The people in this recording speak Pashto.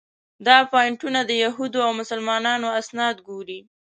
دا پواینټونه د یهودو او مسلمانانو اسناد ګوري.